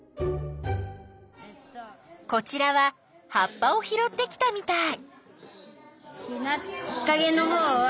こちらは葉っぱをひろってきたみたい。